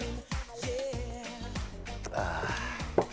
ああ。